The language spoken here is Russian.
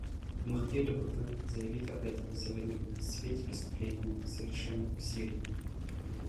Мы хотели бы вновь заявить об этом сегодня в свете преступлений, совершаемых в Сирии.